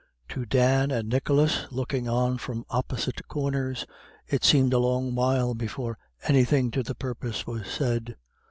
To Dan and Nicholas, looking on from opposite corners, it seemed a long while before anything to the purpose was said.